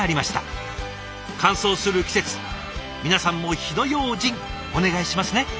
乾燥する季節皆さんも火の用心お願いしますね。